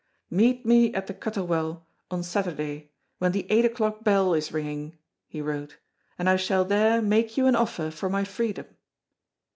"Meet me at the Cuttle Well, on Saturday, when the eight o'clock bell is ringing," he wrote, "and I shall there make you an offer for my freedom."